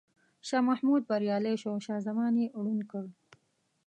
شاه محمود بریالی شو او شاه زمان یې ړوند کړ.